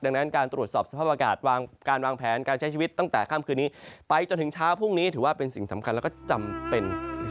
ดังนั้นการตรวจสอบสภาพอากาศการวางแผนการใช้ชีวิตตั้งแต่ค่ำคืนนี้ไปจนถึงเช้าพรุ่งนี้ถือว่าเป็นสิ่งสำคัญแล้วก็จำเป็น